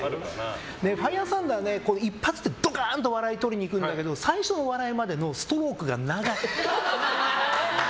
ファイヤーサンダーね一発で笑いをドカンと取りに行くんだけど最初の笑いまでのストロークが長い。